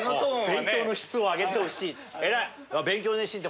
「勉強の質を上げてほしい」。